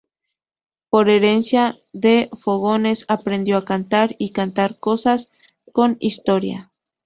Por herencia de fogones aprendió a cantar y contar cosas con historia.